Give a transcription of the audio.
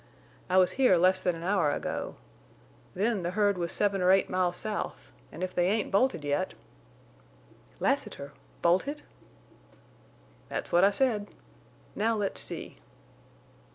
"I was here less than an hour ago. Then the herd was seven or eight miles south, an' if they ain't bolted yet—" "Lassiter!... Bolted?" "That's what I said. Now let's see."